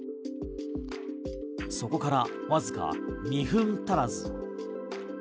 そこからわずか２分足らず。